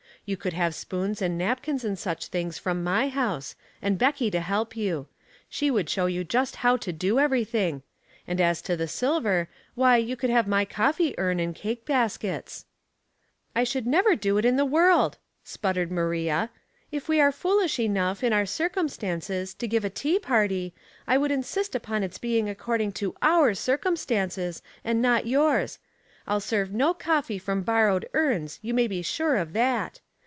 You could have spoona and napkins and such things from my house, and Becky to help you. She would show you just how to do everything ; and as to the silver, why, you could have my coffee urn aud cake baskets." "I should never do it in the world," sputtered Maria. " If we were foolish enough, in our cir cumstances, to give a tea party, I would insist upon its being according to o'nr circumstances, and not yours. I'll serve no coffee from bor rowed urns, you may be sure of that.